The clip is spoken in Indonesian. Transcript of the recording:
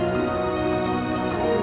gak usah lo nyesel